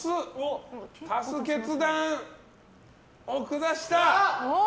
足す決断を下した！